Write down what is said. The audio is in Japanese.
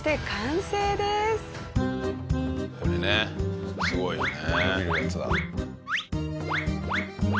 これねすごいよね。